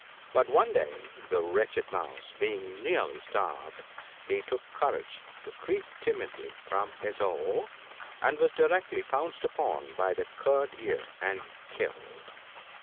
But one day, the wretched mouse being nearly starved, he took courage to creep timidly from his hole, and was directly pounced upon by Curd ear and killed.